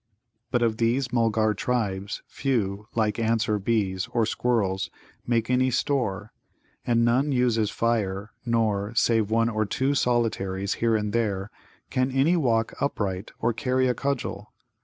But of these Mulgar tribes few, like ants, or bees, or squirrels, make any store, and none uses fire, nor, save one or two solitaries here and there, can any walk upright or carry a cudgel.